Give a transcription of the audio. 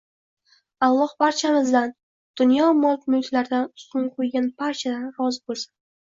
Alloh barchamizdan, dunyo mol-mulklaridan ustun qo`ygan barchadan rozi bo`lsin…